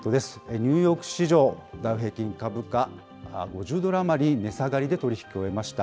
ニューヨーク市場、ダウ平均株価、５０ドル余り値下がりで取り引きを終えました。